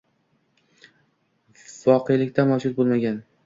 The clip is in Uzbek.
voqelikda mavjud bo‘lmagan, b